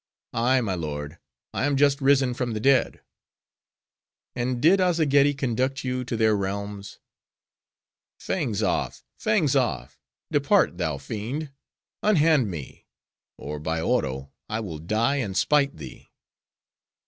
"Ay, my lord, I am just risen from the dead." "And did Azzageddi conduct you to their realms?" "Fangs off! fangs off! depart, thou fiend!—unhand me! or by Oro, I will die and spite thee!"